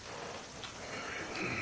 うん。